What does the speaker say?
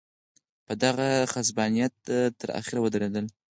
په دغه غصبانیت تر اخره ودرېدل.